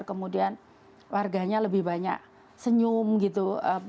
kemudian warganya lebih banyak senyum gitu